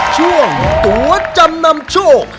ช่วงตัวจำนำโชค